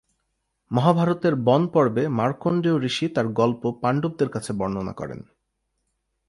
মহাভারতের বন পর্বে, মার্কণ্ডেয় ঋষি তার গল্প পাণ্ডবদের কাছে বর্ণনা করেন।